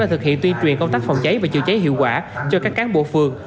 đã thực hiện tuyên truyền công tác phòng cháy và chữa cháy hiệu quả cho các cán bộ phường